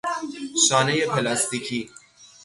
شانهی پلاستیکی